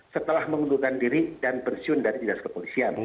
setelah mengundurkan diri dan pensiun dari dinas kepolisian